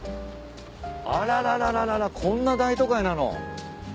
あららららららこんな大都会なの？